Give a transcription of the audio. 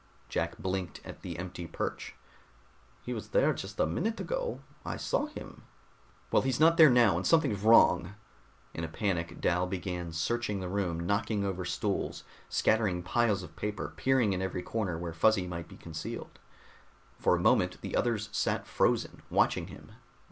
Jack blinked at the empty perch. "He was there just a minute ago. I saw him." "Well, he's not there now, and something's wrong!" In a panic, Dal began searching the room, knocking over stools, scattering piles of paper, peering in every corner where Fuzzy might be concealed. For a moment the others sat frozen, watching him.